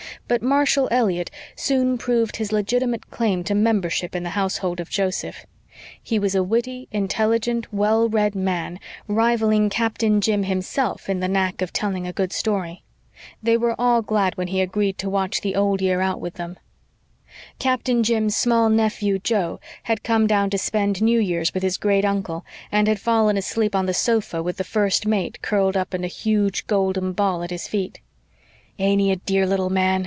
But Marshall Elliott soon proved his legitimate claim to membership in the household of Joseph. He was a witty, intelligent, well read man, rivalling Captain Jim himself in the knack of telling a good story. They were all glad when he agreed to watch the old year out with them. Captain Jim's small nephew Joe had come down to spend New Year's with his great uncle, and had fallen asleep on the sofa with the First Mate curled up in a huge golden ball at his feet. "Ain't he a dear little man?"